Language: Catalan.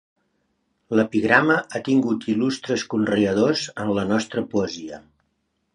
L'epigrama ha tingut il·lustres conreadors en la nostra poesia.